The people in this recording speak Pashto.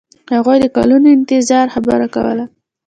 هغوی د کلونو انتظار خبره کوله.